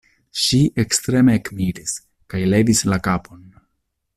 Ŝi ekstreme ekmiris kaj levis la kapon: